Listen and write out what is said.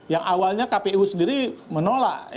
yang awalnya kpu sendiri menolak